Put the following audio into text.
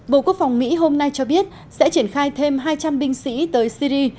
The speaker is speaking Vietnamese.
bộ quốc phòng mỹ hôm nay cho biết sẽ triển khai thêm hai trăm linh binh sĩ tới syri